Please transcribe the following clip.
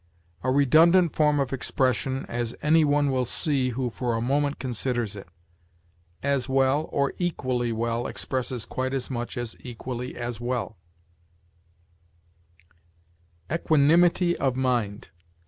A redundant form of expression, as any one will see who for a moment considers it. As well, or equally well, expresses quite as much as equally as well. EQUANIMITY OF MIND.